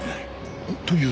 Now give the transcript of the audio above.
というと？